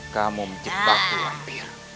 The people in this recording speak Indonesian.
kamu menjebakku lampir